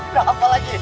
itu berapa lagi